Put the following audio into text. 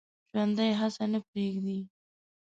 ژوندي هڅه نه پرېږدي